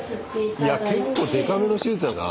いや結構でかめの手術だな。